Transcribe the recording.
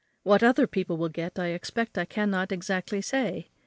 What other people will expect I cannot exactly say.